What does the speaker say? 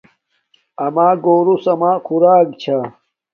اما گوروس اما خوراک چھا